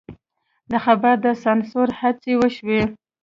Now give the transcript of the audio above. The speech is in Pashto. د خبر د سانسور هڅې وشوې.